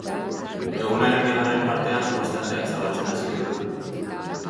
Egunaren bigarren partean ostarteak zabaltzen hasiko dira.